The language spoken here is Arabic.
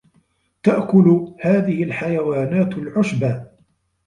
تأكل هذه الحيوانات العشب.